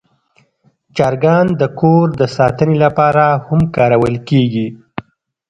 چرګان د کور د ساتنې لپاره هم کارول کېږي.